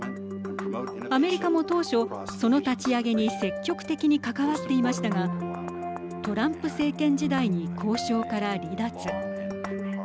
アメリカも当初その立ち上げに積極的に関わっていましたがトランプ政権時代に交渉から離脱。